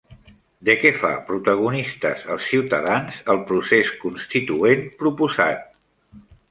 De què fa protagonistes als ciutadans el procés constituent proposat?